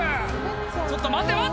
ちょっと待て待て！